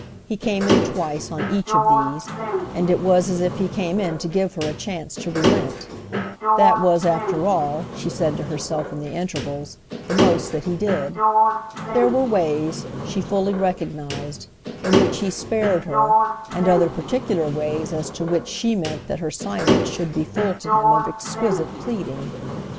He came in twice on each of these, and it was as if he came in to give her a chance to relent. That was after all, she said to herself in the intervals, the most that he did. There were ways, she fully recognised, in which he spared her, and other particular ways as to which she meant that her silence should be full to him of exquisite pleading.